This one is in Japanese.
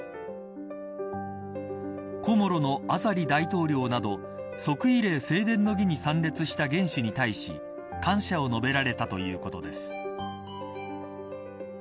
コモロのアザリ大統領など即位礼正殿の儀に参列した元首に対し感謝を述べられたということです。